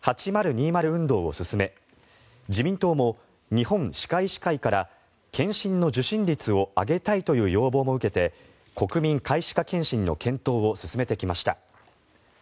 運動を進め自民党も日本歯科医師会から検診の受診率を上げたいという要望も受けて国民皆歯科検診の検討を進めてきました。